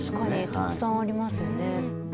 たくさんありますよね。